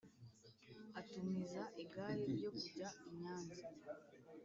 Atumiza igare ryo kujya i Nyanza,